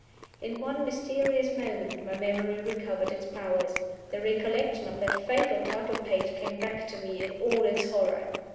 In one mysterious moment my memory recovered its powers. The recollection of that fatal title page came back to me in all its horror.